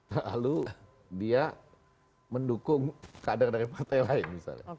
lalu dia mendukung kader dari partai lain misalnya